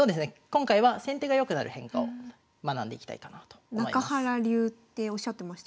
今回は先手が良くなる変化を学んでいきたいかなと思います。